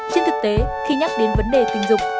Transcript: trên thực tế khi nhắc đến vấn đề tình dục